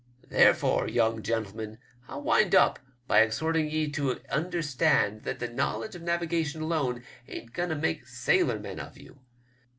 Therefore, young gentlemen, I'll wind up by exhorting ye to understand that the knowledge of navigation alone ain't going to make sailor men of you.